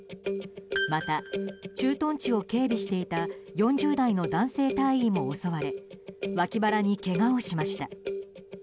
また、駐屯地を警備していた４０代の男性隊員も襲われ脇腹にけがをしました。